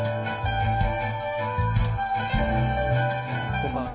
こんばんは。